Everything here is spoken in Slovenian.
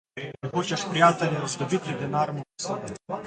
Če hočeš prijatelja izgubiti, denar mu posodi.